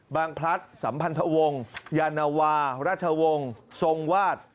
พลัดสัมพันธวงศ์ยานวาราชวงศ์ทรงวาด